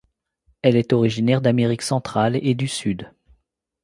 Elle est originaire d'Amérique centrale et du Sud.